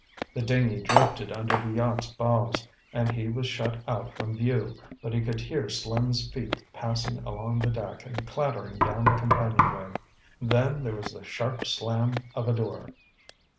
The dinghy drifted under the yacht's bows, and he was shut out from view, but he could hear Slim's feet passing along the deck and clattering down the companionway. Then there was the sharp slam of a door.